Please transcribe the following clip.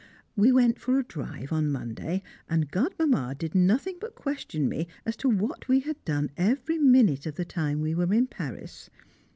We went for a drive on Monday, and Godmamma did nothing but question me as to what we had done every minute of the time while we were in Paris.